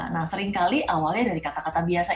nah seringkali awalnya dari kata kata biasa